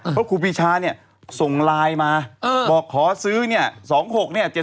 เพราะครูปีชาเนี้ยส่งไลน์มาเออบอกขอซื้อเนี้ยสองหกเนี้ย